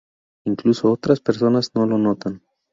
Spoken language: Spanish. Incluso otras personas no lo notan.